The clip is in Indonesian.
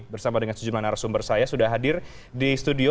bersama dengan sejumlah narasumber saya sudah hadir di studio